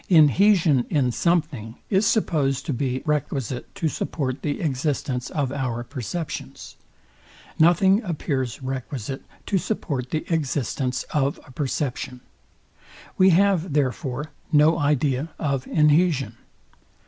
Inhesion in something is supposed to be requisite to support the existence of our perceptions. Nothing appears requisite to support the existence of a perception. We have, therefore, no idea of inhesion.